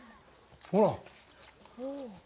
ほら。